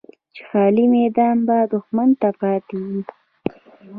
چې خالي میدان به دښمن ته پاتې وي.